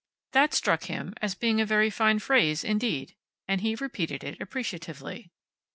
That struck him as being a very fine phrase indeed, and he repeated it appreciatively.